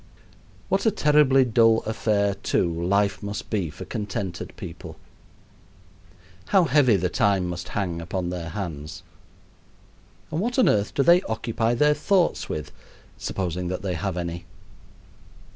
What a terribly dull affair, too, life must be for contented people! How heavy the time must hang upon their hands, and what on earth do they occupy their thoughts with, supposing that they have any?